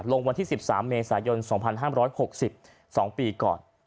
ลงวันที่๑๓เมษายน๒๕๖๒ปีก่อน